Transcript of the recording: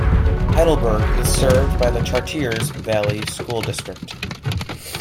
Heidelberg is served by the Chartiers Valley School District.